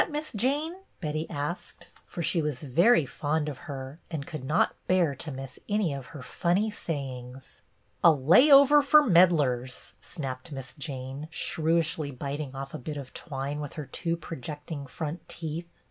Miss Jane?" Betty asked. DEAR OLD MISS JANE 33 for she was very fond of her and could not bear to miss any of her funny sayings. " A layover for meddlers," snapped Miss Jane, shrewishly biting off a bit of twine with her two projecting front teeth.